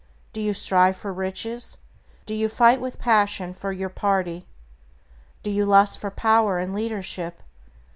Do you strive for riches? Do you fight, with passion, for your party? Do you lust for power and leadership?